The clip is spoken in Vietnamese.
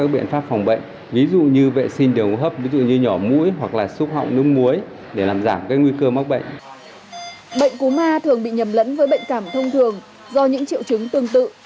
bệnh cúm a thường bị nhầm lẫn với bệnh cảm thông thường do những triệu chứng tương tự